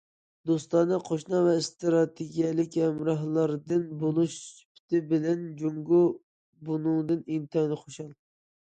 دوستانە قوشنا ۋە ئىستراتېگىيەلىك ھەمراھلاردىن بولۇش سۈپىتى بىلەن، جۇڭگو بۇنىڭدىن ئىنتايىن خۇشال.